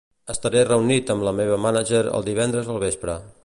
Estaré reunit amb la meva mànager el divendres al vespre.